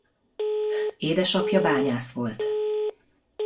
Édesapja bányász volt.